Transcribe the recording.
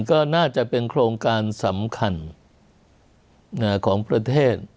ก็น่าจะเป็นโครงการสำคัญของประเทศ